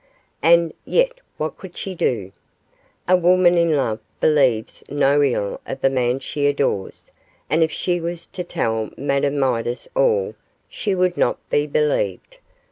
And yet what could she do? A woman in love believes no ill of the man she adores, and if she was to tell Madame Midas all she would not be believed.